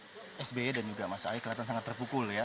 pak sby dan juga mas ahaye kelihatan sangat terpukul ya